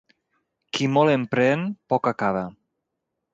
Qui molt emprèn poc acaba.